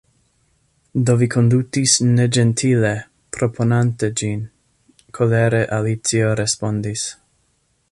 "Do vi kondutis neĝentile, proponante ĝin," kolere Alicio respondis.